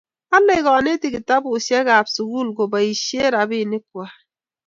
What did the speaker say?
Alei kanetik kitabushek ab sukul koboishee robinik kwai